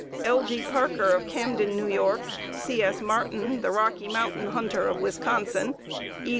L. G. Parker of Camden, N. Y., C. S. Martin, the Rocky Mountain hunter of Wisconsin, E.